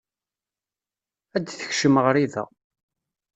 ad tekcem ɣriba.